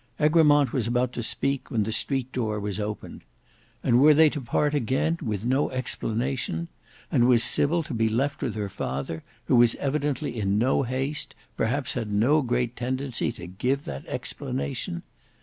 Egremont was about to speak when the street door was opened. And were they to part again, and no explanation? And was Sybil to be left with her father, who was evidently in no haste, perhaps had no great tendency, to give that explanation?